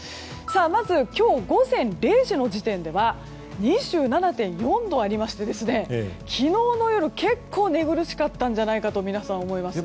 まず今日午前０時の時点では２７．４度ありまして昨日の夜、結構寝苦しかったんじゃないかと思います。